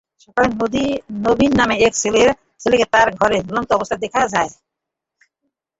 সকালে নবীন নামে এক ছেলেকে তার ঘরে ঝুলন্ত অবস্থায় দেখতে পায়।